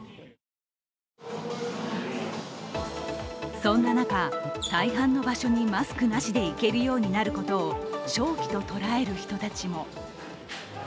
そんな中、大半の場所にマスクなしで行けるようになることを商機と捉える人たちも。